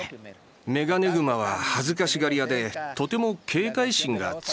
メガネグマは恥ずかしがり屋でとても警戒心が強い。